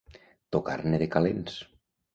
Tocar-ne de calents.